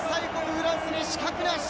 フランスに刺客なし。